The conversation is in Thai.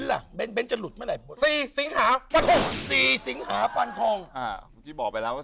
แล้วเบ้นล่ะเบ้นจะหลุดไหมหน่อย